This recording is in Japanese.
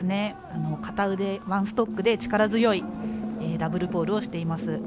片腕、ワンストックで力強いダブルポールをしています。